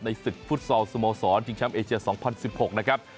ในศิษย์ฟุตสอสสโมสรจิงช้ำเอเชีย๒๐๑๖นะครับ